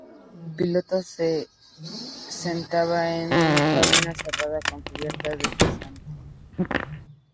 El piloto se sentaba en una cabina cerrada con cubierta deslizante.